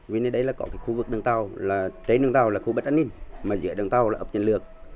vì nơi đây là có khu vực đường tàu trên đường tàu là khu vực an ninh mà giữa đường tàu là ốc chiến lược